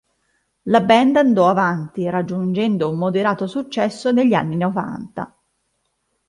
La band andò avanti, raggiungendo un moderato successo negli anni novanta.